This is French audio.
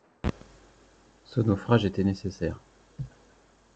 Ce naufrage était nécessaire.